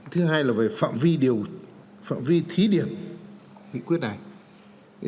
thứ hai là về phạm vi thí điểm nghị quyết này